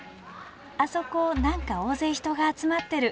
あそこ何か大勢人が集まってる。